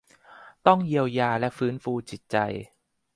ต้องเยียวยาและฟื้นฟูจิตใจ